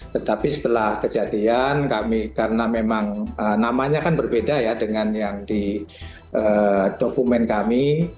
tetapi setelah kejadian kami karena memang namanya kan berbeda ya dengan yang di dokumen kami